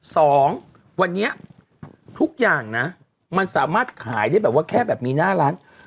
สองวันนี้ทุกอย่างนะมันสามารถขายได้แบบว่าแค่แบบมีหน้าร้าน